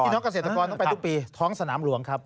น้องเกษตรกรต้องไปทุกปีท้องสนามหลวงครับ